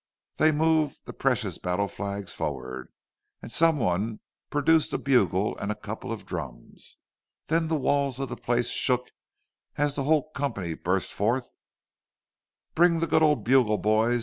They moved the precious battle flags forward, and some one produced a bugle and a couple of drums; then the walls of the place shook, as the whole company burst forth:— "Bring the good old bugle, boys!